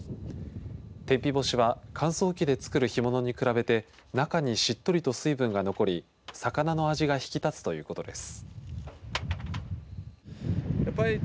天日干しは乾燥機で作る干物に比べて中に、しっとりと水分が残り魚の味が引き立つということです。